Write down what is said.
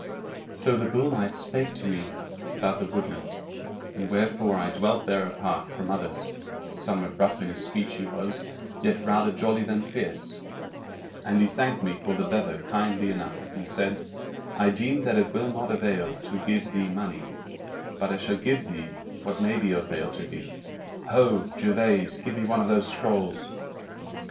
So the bull knight spake to me about the woodland, and wherefore I dwelt there apart from others; somewhat rough in his speech he was, yet rather jolly than fierce; and he thanked me for the bever kindly enough, and said: "I deem that it will not avail to give thee money; but I shall give thee what may be of avail to thee. Ho, Gervaise! give me one of those scrolls!"